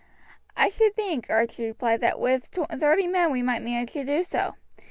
"I should think," Archie replied, "that with thirty men we might manage to do so.